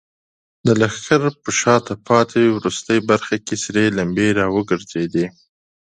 د لښکر په شاته پاتې وروستۍ برخه کې سرې لمبې راوګرځېدې.